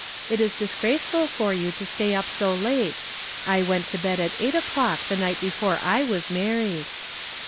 "It is disgraceful for you to stay up so late. I went to bed at eight o'clock the night before I was married."